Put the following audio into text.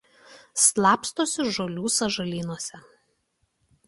Slapstosi žolių sąžalynuose.